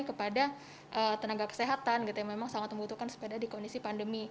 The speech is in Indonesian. kepada tenaga kesehatan gitu yang memang sangat membutuhkan sepeda di kondisi pandemi